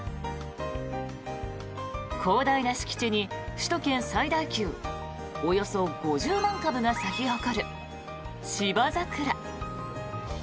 広大な敷地に、首都圏最大級およそ５０万株が咲き誇るシバザクラ。